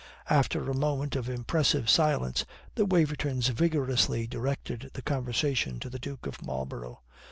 After a moment of impressive silence, the Wavertons vigorously directed the conversation to the Duke of Marlborough.